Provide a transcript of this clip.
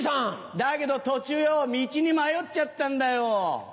だけど途中よぉ道に迷っちゃったんだよ。